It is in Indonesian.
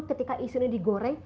ketika isu ini digoreng